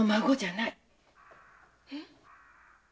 えっ？